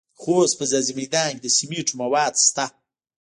د خوست په ځاځي میدان کې د سمنټو مواد شته.